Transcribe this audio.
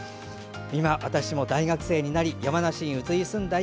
今、私も大学生になり山梨に移り住んだ